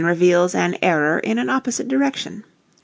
18 reveals an error in an opposite direction.